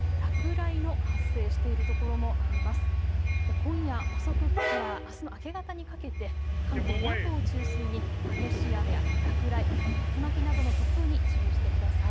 今夜遅くからあすの明け方にかけて関東南部を中心に激しい雨や落雷、竜巻などの突風に注意してください。